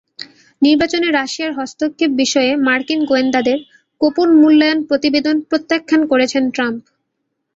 নির্বাচনে রাশিয়ার হস্তক্ষেপ বিষয়ে মার্কিন গোয়েন্দাদের গোপন মূল্যায়ন প্রতিবেদন প্রত্যাখ্যান করেছেন ট্রাম্প।